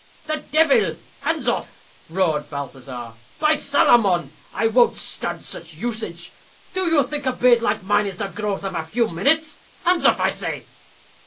"The devil! hands off," roared Balthazar. "By Salamon, I won't stand such usage. Do you think a beard like mine is the growth of a few minutes? Hands off! I say."